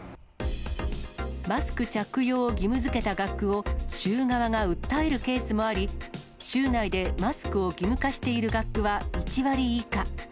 マスク着用を義務づけた学区を州側が訴えるケースもあり、州内でマスクを義務化している学区は１割以下。